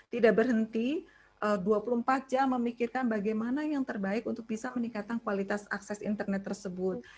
tidak berhenti dua puluh empat jam memikirkan bagaimana yang terbaik untuk bisa meningkatkan kualitas akses internet tersebut